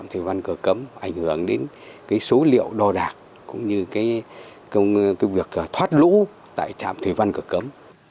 chạm thủy văn cửa cấm ảnh hưởng đến số liệu đo đạt cũng như việc thoát lũ tại chạm thủy văn cửa cấm